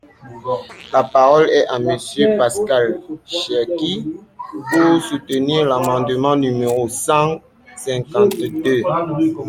La parole est à Monsieur Pascal Cherki, pour soutenir l’amendement numéro cent cinquante-deux.